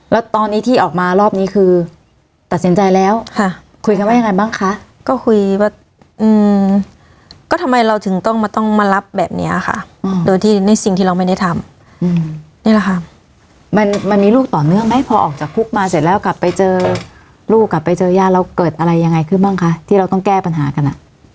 แล้วตอนนี้ที่ออกมารอบนี้คือตัดสินใจแล้วค่ะคุยกันว่ายังไงบ้างคะก็คุยว่าอืมก็ทำไมเราถึงต้องมาต้องมารับแบบเนี้ยค่ะโดยที่ในสิ่งที่เราไม่ได้ทำนี่แหละค่ะมันมันมีลูกต่อเนื่องไหมพอออกจากคุกมาเสร็จแล้วกลับไปเจอลูกกลับไปเจอญาติเราเกิดอะไรยังไงขึ้นบ้างคะที่เราต้องแก้ปัญหากันอ่ะ